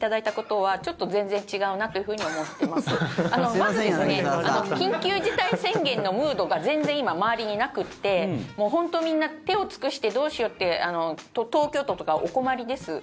まず緊急事態宣言のムードが全然今、周りになくって本当みんな手を尽くしてどうしようって東京都とかはお困りです。